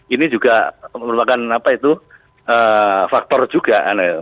ini juga merupakan apa itu faktor juga